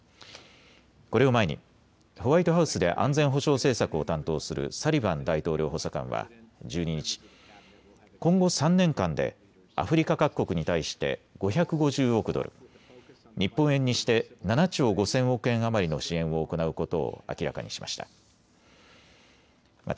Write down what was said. これを前にホワイトハウスで安全保障政策を担当するサリバン大統領補佐官は１２日、今後３年間でアフリカ各国に対して５５０億ドル、日本円にして７兆５０００億円余りの支援を行うことを明らかにしました。